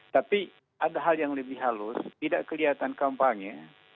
tapi ada hal yang lebih halus tidak kelihatan kampanye